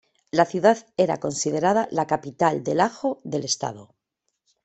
La ciudad era considerada la capital del ajo del estado.